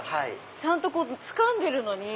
ちゃんとつかんでるのに。